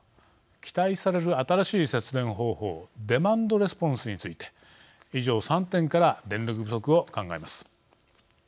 期待される新しい節電方法デマンドレスポンスについて以上３点から電力不足を考えます。